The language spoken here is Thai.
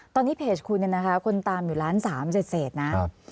ตอนนี้เพจคุณเนี่ยนะคะคนตามอยู่ล้าน๓เศษนะ